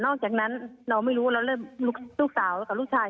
จากนั้นเราไม่รู้เราเริ่มลูกสาวกับลูกชาย